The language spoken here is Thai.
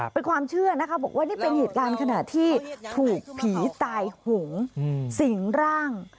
เป็นความเชื่อนะคะบอกว่านี่เป็นเหตุการณ์ขณะที่ถูกผีตายหงสิงร่าง